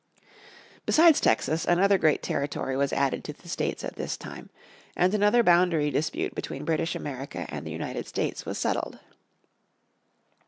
Besides Texas, another great territory was added to the States at this time, and another boundary dispute between British America and the United States was settled.